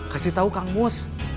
kasih tau kang bos